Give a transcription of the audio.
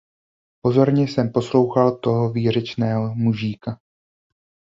Pozorně jsem poslouchal toho výřečného mužíka.